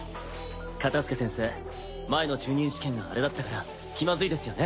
カタスケ先生前の中忍試験があれだったから気まずいですよね。